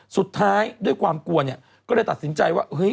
สุดท้ายด้วยความกลัวก็ได้ตัดสินใจว่า